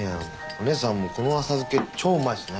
お姉さんこの浅漬け超うまいっすね。